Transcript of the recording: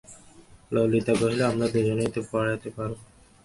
ললিতা কহিল, আমরা দুজনে তো পড়াতে পারব।